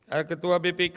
ada ketua bpk